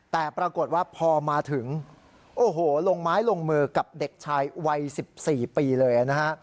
แต่ปรากฏว่าพอมาถึงโอ้โหลงไม้ลงมือกับเด็กชายวัย๑๔ปีเลยนะฮะ